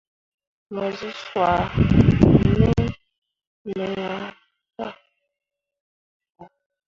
Mu zi cwah nii me ya ka.